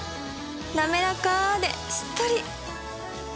なめらかでしっとり！